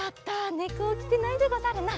ねこおきてないでござるな。